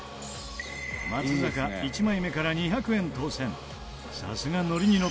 松坂１枚目から２００円当せん。